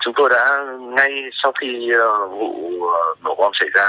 chúng tôi đã ngay sau khi vụ nổ bom xảy ra